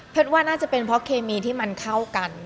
เพราะฉะนั้นน่าจะเป็นเพราะเคมีที่มันเข้ากัน